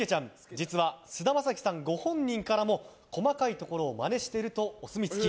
実は菅田将暉さんご本人からも細かいところをマネしてるとお墨付き。